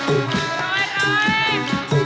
โอ้โหโอ้โหโอ้โหโอ้โห